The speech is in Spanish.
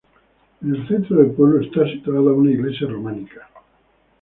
En el centro del pueblo está situada una iglesia románica.